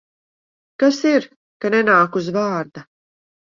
Kas ir, ka nenāk uz vārda?